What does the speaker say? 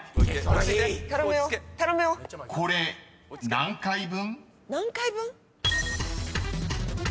［これ何回分？］